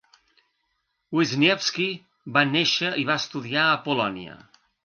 Wisniewski va néixer i va estudiar a Polònia.